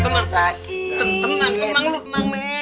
eh tenang tenang lu tenang men